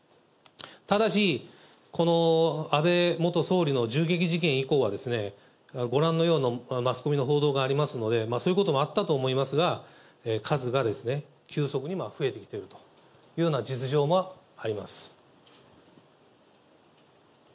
ただし、安倍元総理の銃撃事件以降は、ご覧のようなマスコミの報道がありますので、そういうこともあったと思いますが、数が急速に増えてきているというような実情があります。